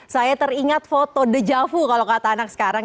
saya teringat foto dejavu kalau kata anak sekarang